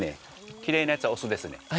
きれいなやつは雄ですね。